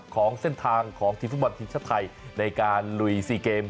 ของเส้นทางของทีฟฟุตมันชินชะไทยในการลุยซีเกม